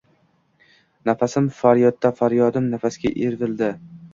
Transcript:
Nafasim faryodga faryodim nafasga evrildi.